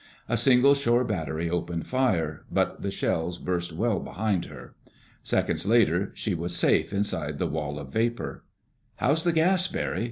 A single shore battery opened fire, but the shells burst well behind her. Seconds later she was safe inside the wall of vapor. "How's the gas, Barry?"